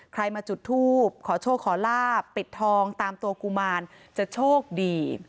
ใครมาจุดทูบขอโชคขอลาบปิดทองตามตัวกุมารจะโชคดี